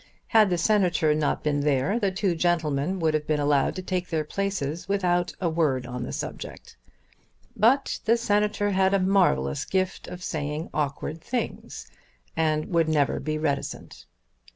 Had the Senator not been there the two gentlemen would have been allowed to take their places without a word on the subject. But the Senator had a marvellous gift of saying awkward things and would never be reticent.